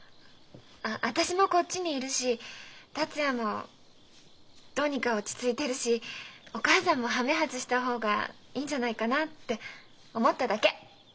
私もこっちにいるし達也もどうにか落ち着いてるしお母さんもはめ外した方がいいんじゃないかなって思っただけ。